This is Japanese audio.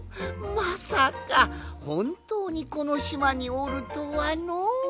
まさかほんとうにこのしまにおるとはのう！